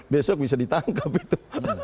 besok bisa ditangkap itu